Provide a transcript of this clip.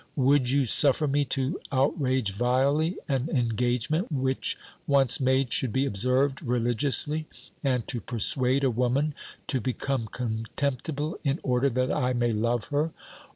Would you suffer me to outrage vilely an engagement which, once made, should be observed religi ously, and to persuade a woman to become contemptible in order that I may love her